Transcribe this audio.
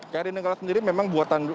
karimah nanggala sendiri memang buatan